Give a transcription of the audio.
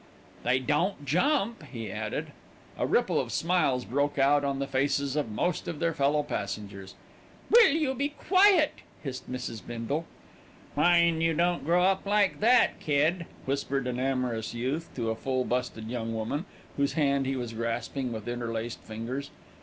"They don't jump," he added. A ripple of smiles broke out on the faces of most of their fellow passengers. "Will you be quiet?" hissed Mrs. Bindle. "Mind you don't grow up like that, kid," whispered an amorous youth to a full busted young woman, whose hand he was grasping with interlaced fingers.